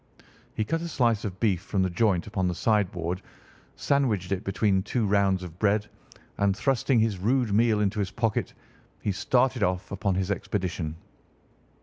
He cut a slice of beef from the joint upon the sideboard, sandwiched it between two rounds of bread, and thrusting this rude meal into his pocket he started off upon his expedition.